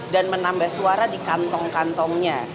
dan menambah suara di kantong kantongnya